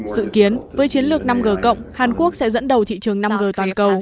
sự kiến với chiến lược năm g cộng hàn quốc sẽ dẫn đầu thị trường năm g toàn cầu